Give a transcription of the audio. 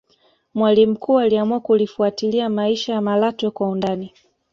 mwalimu mkuu aliamua kulifuatilia maisha ya malatwe kwa undani